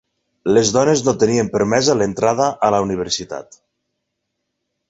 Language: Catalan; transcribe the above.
Les dones no tenien permesa l'entrada a la Universitat.